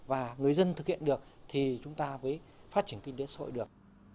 và người dân thực hiện được thì chúng ta mới phát triển kinh tế xã hội được